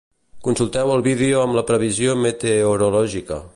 Consulteu el vídeo amb la previsió meteorològica